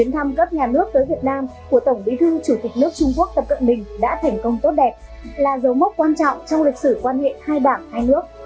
tổng bí thư của tổng bí thư chủ tịch nước trung quốc tập cận bình đã thành công tốt đẹp là dấu mốc quan trọng trong lịch sử quan hệ hai đảng hai nước